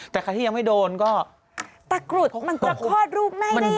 แต่ใครที่ยังไม่โดนก็ตะกรุดมันจะคลอดลูกให้ได้ยังไง